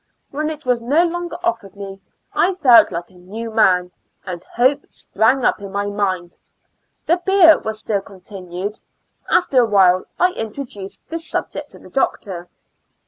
When it was no longer offered me, I felt like a new man, and hope spi^iig up in my mind. The beer was still continued ; after a while I introduced this subject to the doctor.